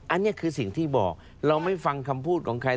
อันนี้คือสิ่งที่บอกเราไม่ฟังคำพูดของใคร